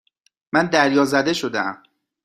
من دریازده شدهام.